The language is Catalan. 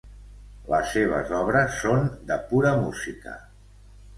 Les seves obres són de pura música.